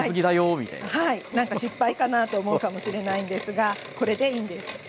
はいなんか失敗かなと思うかもしれないんですがこれでいいんです。